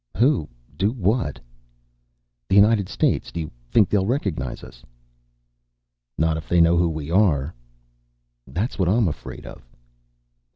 "Who do what?" "The United States. Do you think they'll recognize us?" "Not if they know who we are." "That's what I'm afraid of."